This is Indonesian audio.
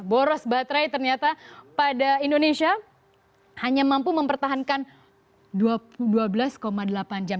boros baterai ternyata pada indonesia hanya mampu mempertahankan dua belas delapan jam